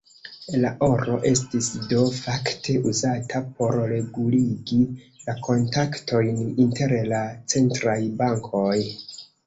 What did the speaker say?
La oro estis do fakte uzata por reguligi la kontaktojn inter la centraj bankoj.